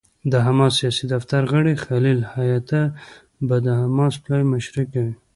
د حماس سیاسي دفتر غړی خلیل الحية به د حماس پلاوي مشري کوي.